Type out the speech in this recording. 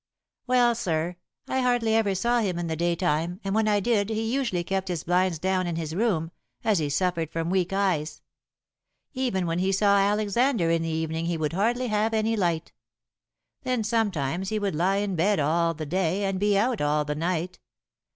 "Well, sir, I hardly ever saw him in the daytime, and when I did he usually kept his blinds down in his room, as he suffered from weak eyes. Even when he saw Alexander in the evening he would hardly have any light. Then sometimes he would lie in bed all the day, and be out all the night.